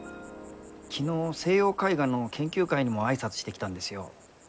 昨日西洋絵画の研究会にも挨拶してきたんですよ。